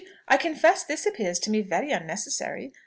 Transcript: I confess this appears to me very unnecessary.